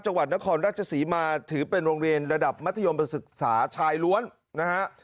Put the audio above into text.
จังหวัดนครราชศรีมาถือเป็นโรงเรียนระดับมัธยมศึกษาชายล้วนนะฮะ